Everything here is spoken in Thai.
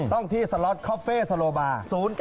ต้องที่สล็อตคอเฟ่สโลบาร์๐๙๐๑๓๙๙๙๐๕